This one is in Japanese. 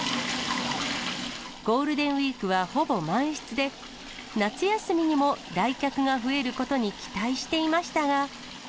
ゴールデンウィークはほぼ満室で、夏休みにも来客が増えることに期待していましたが。